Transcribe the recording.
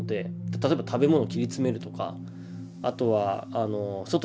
例えば食べ物切り詰めるとかあとは外に出ないとか。